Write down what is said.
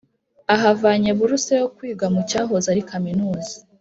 ahavanye buruse yo kwiga mu cyahoze ari kaminuza.